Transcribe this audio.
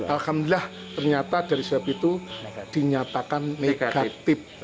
alhamdulillah ternyata dari swab itu dinyatakan negatif